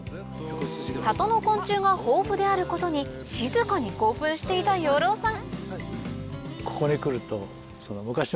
里の昆虫が豊富であることに静かに興奮していた養老さん